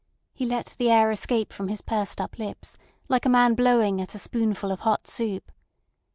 He let the air escape from his pursed up lips like a man blowing at a spoonful of hot soup.